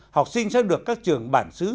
học sinh sẽ được các trường bản xứ